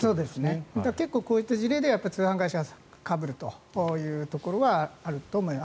結構、こういった事例では通販会社がかぶるというところはあると思います。